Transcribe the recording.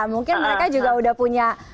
mungkin mereka juga udah punya